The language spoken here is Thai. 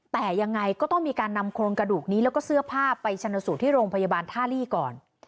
แต่ยังไงก็ต้องมีการนำโครงกระดูกนี้แล้วก็เสื้อผ้าไปชนสูตรที่โรงพยาบาลท่าลี่ก่อน